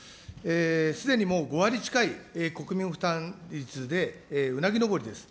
すでにもう、５割近い国民負担率でうなぎ登りです。